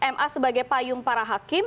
ma sebagai payung para hakim